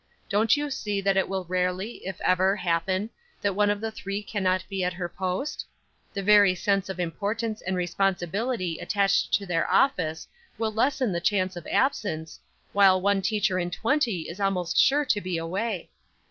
Don't you see that it will rarely, if ever, happen that one of the three cannot be at her post? The very sense of importance and responsibility attached to their office will lessen the chance of absence, while one teacher in twenty is almost sure to be away.